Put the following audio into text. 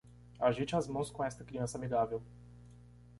Agite as mãos com esta criança amigável.